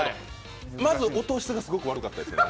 まず音質がすごく悪かったですね。